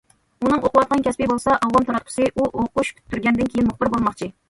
ئۇنىڭ ئوقۇۋاتقان كەسپى بولسا« ئاۋام تاراتقۇسى»، ئۇ ئوقۇش پۈتتۈرگەندىن كېيىن مۇخبىر بولماقچى.